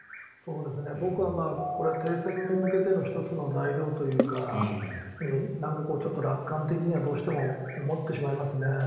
僕は停戦に向けての１つの材料というかちょっと楽観的にはどうしても思ってしまいますね。